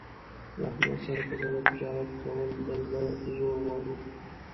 له احمد سره په ګډه تجارت کول د زړه زور غواړي.